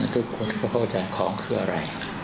ทุกคนก็เข้าใจของคืออะไร